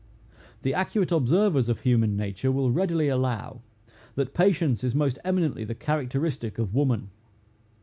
The accurate observers of human nature will readily allow, that patience is most eminently the characteristic of woman.